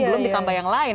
belum ditambah yang lain